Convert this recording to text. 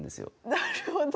なるほど。